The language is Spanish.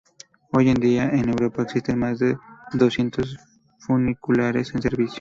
Hoy en día en Europa existen más de doscientos funiculares en servicio.